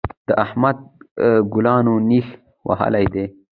د احمد ګلانو نېښ وهلی دی.